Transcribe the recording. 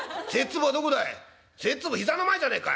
「賽っ粒膝の前じゃねえか」。